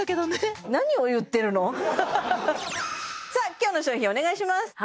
今日の商品お願いします